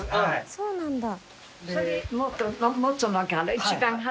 そうなんだ。